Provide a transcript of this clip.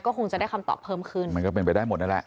คงจะได้คำตอบเพิ่มขึ้นมันก็เป็นไปได้หมดนั่นแหละ